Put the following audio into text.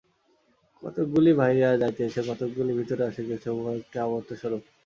কতকগুলি বাহিরে যাইতেছে, কতকগুলি ভিতরে আসিতেছে, উহা একটি আবর্তস্বরূপ।